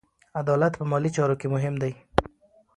عدالت په مالي چارو کې مهم دی.